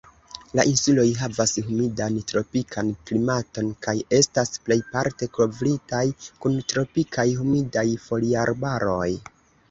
La insuloj havas humidan tropikan klimaton, kaj estas plejparte kovritaj kun tropikaj humidaj foliarbaroj.